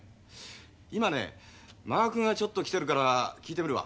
今ね満賀くんがちょっと来てるから聞いてみるわ。